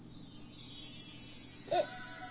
えっ。